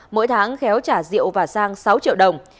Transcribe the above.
mỗi tháng khéo trả rượu và sang sáu triệu đồng